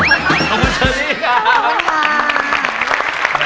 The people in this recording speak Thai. ขอบคุณเชอรี่ครับ